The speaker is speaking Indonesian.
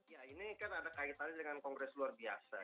ya ini kan ada kaitannya dengan kongres luar biasa